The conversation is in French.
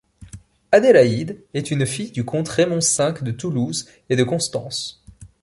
Adélaïde est une fille du comte Raymond V de Toulouse et de Constance.